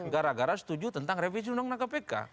gara gara setuju tentang revisi undang undang kpk